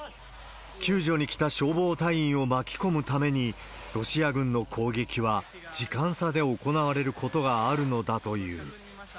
救助に来た消防隊員を巻き込むために、ロシア軍の攻撃は時間差で行われることがあるのだという。